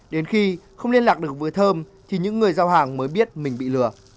đến khi không liên lạc được với thơm thì những người giao hàng mới biết mình bị lừa